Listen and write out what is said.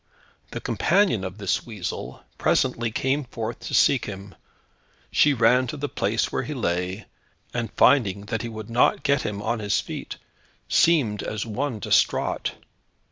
The companion of this weasel presently came forth to seek him. She ran to the place where he lay, and finding that he would not get him on his feet, seemed as one distraught.